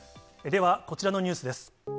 ではこちらのニュースです。